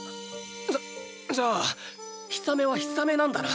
じゃじゃあヒサメはヒサメなんだな？